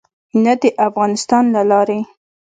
نه د افغانستان له لارې.